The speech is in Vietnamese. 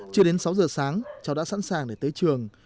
chưa đến sáu giờ sáng cháu đã sẵn sàng để tới trường